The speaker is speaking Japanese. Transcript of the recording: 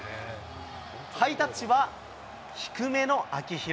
ハイタッチは、低めの秋広。